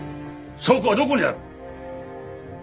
証拠はどこにある？